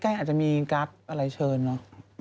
ใกล้อาจจะมีกราฟอะไรเชิญเนาะ